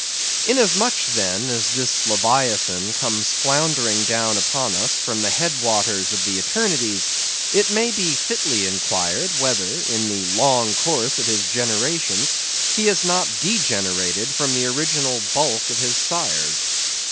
Inasmuch, then, as this Leviathan comes floundering down upon us from the head waters of the Eternities, it may be fitly inquired, whether, in the long course of his generations, he has not degenerated from the original bulk of his sires.